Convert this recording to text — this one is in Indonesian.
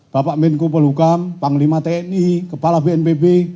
bapak menko polhukam panglima tni kepala bnpb